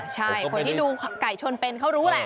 ใช่คนที่ดูไก่ชนเป็นเขารู้แหละ